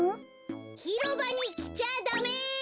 ひろばにきちゃダメ！